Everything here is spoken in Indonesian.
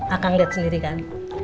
akang liat sendiri kan